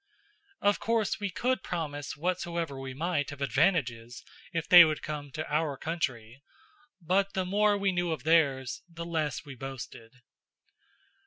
Of course we could promise whatsoever we might of advantages, if they would come to our country; but the more we knew of theirs, the less we boasted.